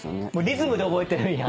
リズムで覚えてるんや。